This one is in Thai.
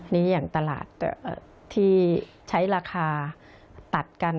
นี่อย่างตลาดที่ใช้ราคาตัดกัน